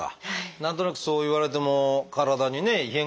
何となくそう言われても体にね異変がなきゃ。